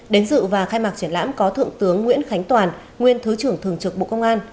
đến dự và khai mạc triển lãm có thượng tướng nguyễn khánh toàn nguyên thứ trưởng thường trực bộ công an